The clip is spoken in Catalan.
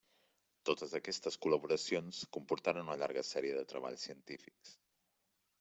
Totes aquestes col·laboracions comportaren una llarga sèrie de treballs científics.